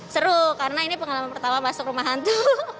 seru karena ini pengalaman pertama masuk rumah hantu